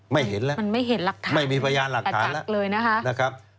ไม่เห็นแล้วไม่มีพยานหลักฐานแล้ว